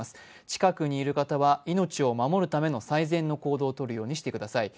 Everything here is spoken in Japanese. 近くにいる方は命を守るための最善の行動をとるようにしてください。